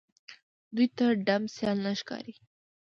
دوی ته ډم سيال نه ښکاري